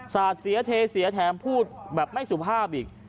สาดเสียเทเสียแถมพูดแบบไม่สุภาพอีก